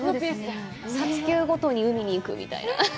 撮休ごとに海に行くみたいな。